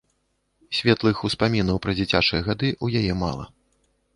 Светлых успамінаў пра дзіцячыя гады ў яе мала.